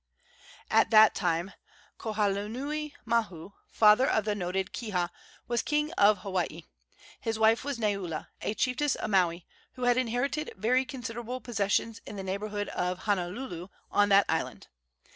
At that time Kauholanui mahu, father of the noted Kiha, was king of Hawaii. His wife was Neula, a chiefess of Maui, who had inherited very considerable possessions in the neighborhood of Honuaula, on that island.